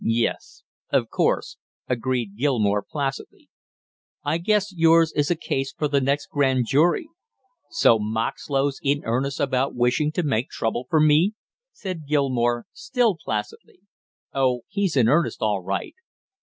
"Yes, of course," agreed Gilmore placidly. "I guess yours is a case for the next grand jury!" "So Moxlow's in earnest about wishing to make trouble for me?" said Gilmore, still placidly. "Oh, he's in earnest, all right."